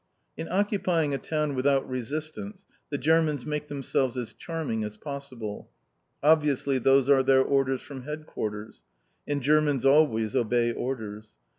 In occupying a town without resistance the Germans make themselves as charming as possible. Obviously those are their orders from headquarters. And Germans always obey orders.